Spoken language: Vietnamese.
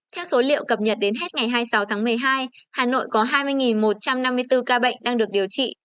theo số liệu cập nhật đến hết ngày hai mươi sáu tháng một mươi hai hà nội có hai mươi một trăm năm mươi bốn ca bệnh đang được điều trị